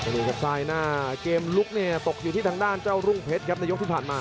อยู่กับสายหน้าเกมลุคนี่ตกอยู่ที่ทางด้านลุงเพชรครับในยกที่ผ่านมา